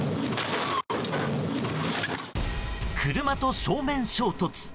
車と正面衝突。